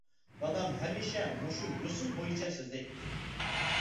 دادام ھەمىشە مۇشۇ يۇسۇن بويىچە سۆزلەيتتى.